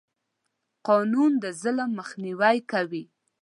قانون د ظلم مخنیوی کوي.